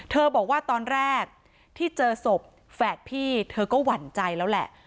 บอกว่าตอนแรกที่เจอศพแฝดพี่เธอก็หวั่นใจแล้วแหละ